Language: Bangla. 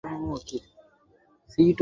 কী মনে করিস নিজেকে?